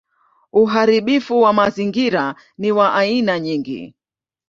Uharibifu wa mazingira ni wa aina nyingi.